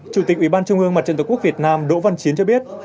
chủ tịch ubnd mặt trận tổ quốc việt nam đỗ văn chiến cho biết